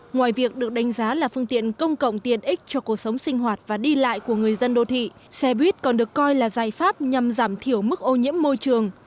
ngoài việc được đánh giá là phương tiện công cộng tiện ích cho cuộc sống sinh hoạt và đi lại của người dân đô thị xe buýt còn được coi là giải pháp nhằm giảm thiểu mức ô nhiễm môi trường